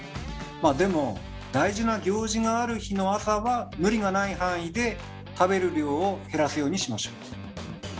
でも大事な行事がある日の朝は無理がない範囲で食べる量を減らすようにしましょう。